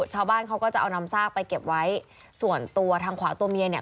ชาวบ้านเขาก็จะเอานำซากไปเก็บไว้ส่วนตัวทางขวาตัวเมียเนี่ย